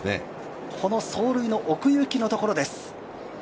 走塁の奥行きのところです。